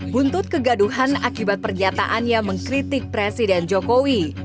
buntut kegaduhan akibat pernyataannya mengkritik presiden jokowi